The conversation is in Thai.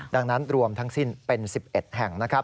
ดังนั้นรวมทั้งสิ้นเป็น๑๑แห่งนะครับ